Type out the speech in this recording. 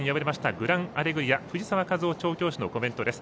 グランアレグリア藤沢和雄調教師のコメントです。